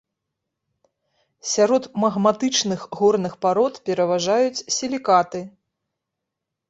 Сярод магматычных горных парод пераважаюць сілікаты.